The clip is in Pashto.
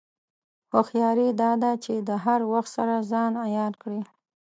هوښیاري دا ده چې د هر وخت سره ځان عیار کړې.